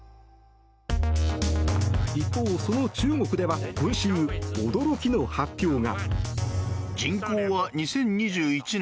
一方、その中国では今週、驚きの発表が。